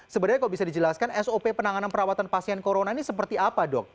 sebenarnya kalau bisa dijelaskan sop penanganan perawatan pasien corona ini seperti apa dok